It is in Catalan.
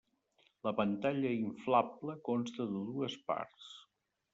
La pantalla inflable consta de dues parts.